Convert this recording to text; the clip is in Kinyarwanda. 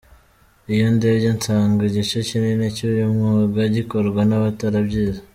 Iyo ndebye nsanga igice kinini cy’uyu mwuga gikorwa n’abatarabyize.